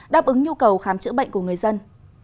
đáp ứng nhu cầu khám chữa bệnh của người dân